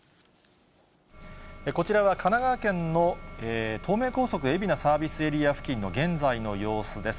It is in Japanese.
こちらは神奈川県の東名高速海老名サービスエリア付近の現在の様子です。